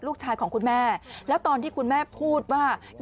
ลูกชายของคุณแม่แล้วตอนที่คุณแม่พูดว่า